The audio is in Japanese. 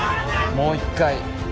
もう一回